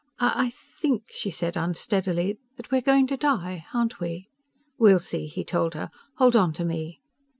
"I ... think," she said unsteadily, "that we're going to die. Aren't we?" "We'll see," he told her. "Hold on to me."